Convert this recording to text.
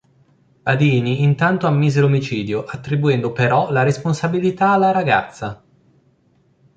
Badini intanto ammise l'omicidio, attribuendo però la responsabilità alla ragazza.